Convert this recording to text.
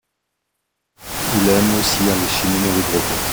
Il aime aussi aller chiner dans les brocantes.